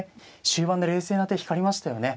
終盤で冷静な手光りましたよね。